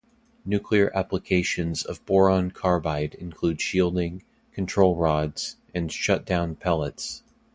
Nuclear applications of boron carbide include shielding, control rods and shut-down pellets.